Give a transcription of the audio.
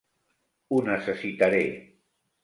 Ho necessitaré.